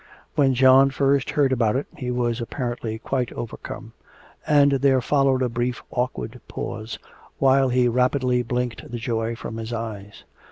When John first heard about it, he was apparently quite overcome, and there followed a brief awkward pause while he rapidly blinked the joy from his eyes.